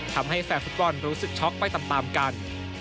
แฟนฟุตบอลรู้สึกช็อกไปตามกัน